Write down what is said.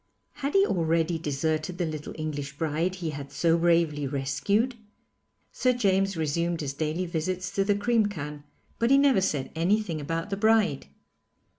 Had he already deserted the little English bride he had so bravely rescued? Sir James resumed his daily visits to the cream can, but he never said anything about the bride.